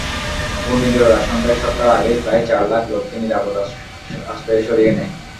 ঘূর্ণিঝড়ের আশঙ্কায় সরকার আগেই প্রায় চার লাখ লোককে নিরাপদ আশ্রয়ে সরিয়ে নেয়।